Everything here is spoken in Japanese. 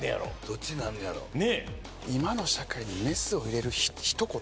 どっちなんのやろ「今の社会にメスを入れる一言」